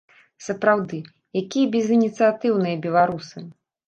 Сапраўды, якія безыніцыятыўныя беларусы!